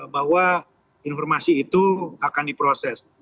bahwa informasi itu akan diproses